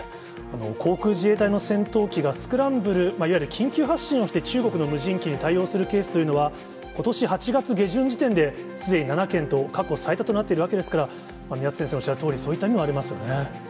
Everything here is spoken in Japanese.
航空自衛隊の戦闘機がスクランブル、いわゆる緊急発進をして中国の無人機に対応するケースというのは、ことし８月下旬時点で、すでに７件と、過去最多となっているわけですから、宮田先生のおっしゃるとおり、そういった意味もありますよね。